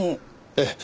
ええ。